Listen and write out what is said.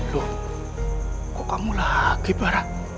loh kok kamu lagi barat